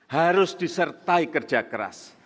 harus disertai kerja keras